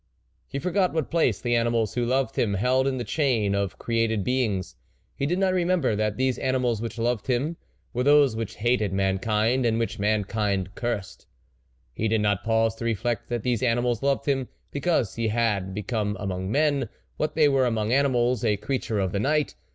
He forgot what place the animals, who loved him, held in the chain of created beings. He did not remember that these animals which loved him, were those which hated mankind, and which man kind cursed. He did not pause to reflect that these animals loved him, because he had be come among men, what they were among animals ; a creature of the night